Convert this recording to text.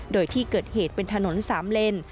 โดยที่เกิดเหตุเป็นถนน๓เลน